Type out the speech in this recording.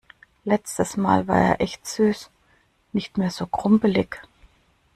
Letztes Mal war er echt süß. Nicht mehr so krumpelig.